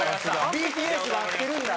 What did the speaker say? ＢＴＳが合ってるんだね。